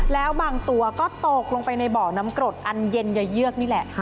แล้วบางตัวก็ตกลงไปในบ่อน้ำกรดอันเย็นยาเยือกนี่แหละ